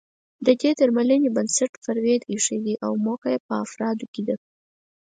د دې درملنې بنسټ فرویډ اېښی دی او موخه يې په افرادو کې د